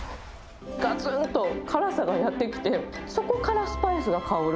がつんと辛さがやって来て、そこからスパイスが香る。